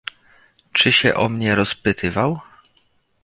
"Czy się o mnie rozpytywał?"